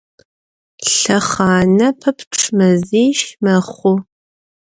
Лъэхъанэ пэпчъ мэзищ мэхъу.